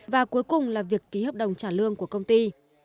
và cuối cùng là việc ký hợp đồng trả lương của công ty